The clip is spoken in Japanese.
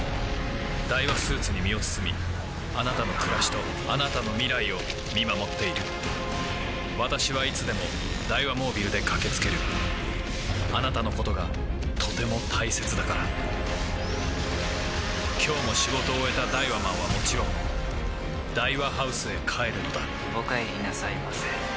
ダイワスーツに身を包みあなたの暮らしとあなたの未来を見守っている私はいつでもダイワモービルで駆け付けるあなたのことがとても大切だから今日も仕事を終えたダイワマンはもちろんダイワハウスへ帰るのだお帰りなさいませ。